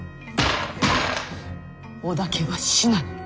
織田家は死なぬ。